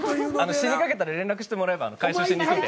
死にかけたら連絡してもらえば回収しに行くんで。